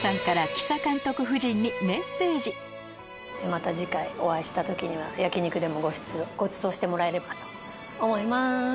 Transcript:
また次回お会いした時には焼き肉でもごちそうしてもらえればと思います。